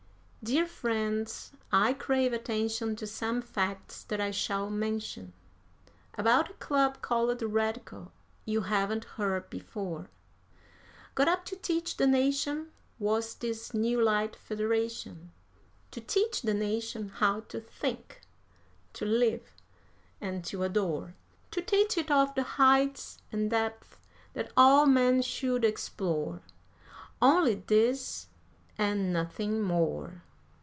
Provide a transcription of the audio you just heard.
Dear friends, I crave attention to some facts that I shall mention About a Club called "Radical," you haven't heard before; Got up to teach the nation was this new light federation, To teach the nation how to think, to live, and to adore; To teach it of the heights and depths that all men should explore; Only this and nothing more.